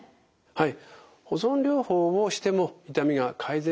はい。